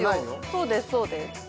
そうですそうです